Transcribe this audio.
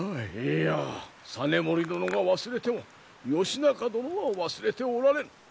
いや実盛殿が忘れても義仲殿は忘れておられぬ。